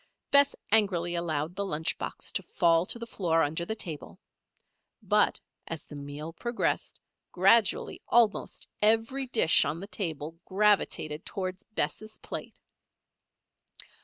Bess angrily allowed the lunch box to fall to the floor under the table. But, as the meal progressed, gradually almost every dish on the table gravitated toward Bess' plate.